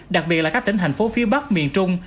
đặc biệt là các tỉnh thành phố phía bắc miền trung